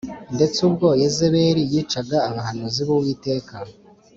ndetse ubwo Yezebeli yicaga abahanuzi b’Uwiteka